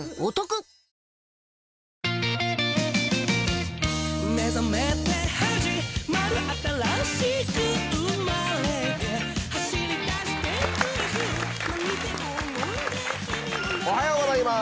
おはようございます。